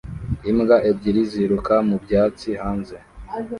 Imbwa ebyiri ziruka mu byatsi hanze